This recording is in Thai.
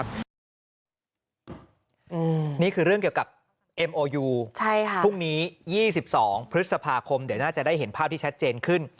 พรุ่งนี้๒๒พฤษภาคมเดี๋ยวน่าจะได้เห็นภาพที่แชทเจนขึ้น